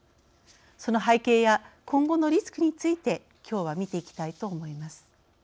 その背景や今後のリスクについて今日は見ていきたいと思います。